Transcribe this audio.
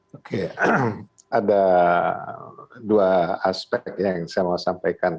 oke ada dua aspek yang saya mau sampaikan